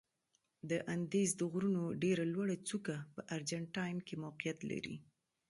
د اندیز د غرونو ډېره لوړه څوکه په ارجنتاین کې موقعیت لري.